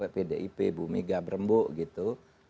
pdip bumiga berembu gitu